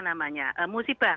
katakan ada keperluan